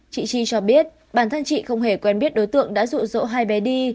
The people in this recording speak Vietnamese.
chị chi cho biết bản thân chị không hề quen biết đối tượng đã rụ rỗ hai bé đi